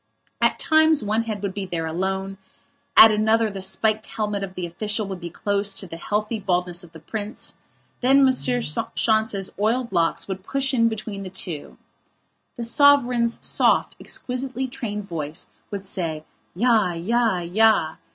At times one head would be there alone, at another the spiked helmet of the official would be close to the healthy baldness of the prince; then M. Schontz's oiled locks would push in between the two. The sovereign's soft, exquisitely trained voice would say, "Ja, ja, ja!"